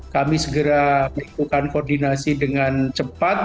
kami segera melakukan koordinasi dengan cepat